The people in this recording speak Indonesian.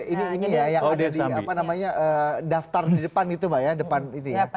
ini ya yang ada di daftar di depan gitu mba ya depan ini ya